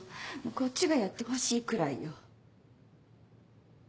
こっちがやってほしいくらいよ。